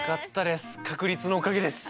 確率のおかげです。